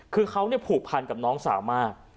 คือเขาผูกพันกับน้องสาวมาก